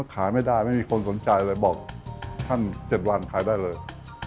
ขายไม่ได้ไม่มีคนสนใจเลยบอกท่าน๗วันขายได้เลย